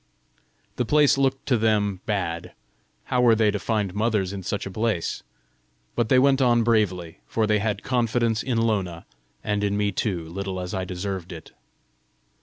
The place looked to them bad: how were they to find mothers in such a place? But they went on bravely, for they had confidence in Lona and in me too, little as I deserved it.